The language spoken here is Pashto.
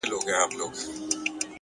پوهه د وېرې زنځیرونه ماتوي،